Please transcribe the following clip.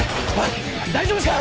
大丈夫ですか！？